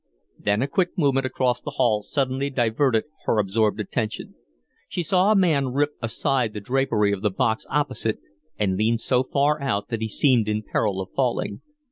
Then a quick movement across the hall suddenly diverted her absorbed attention. She saw a man rip aside the drapery of the box opposite and lean so far out that he seemed in peril of falling.